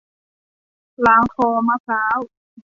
ล้างคอมะพร้าว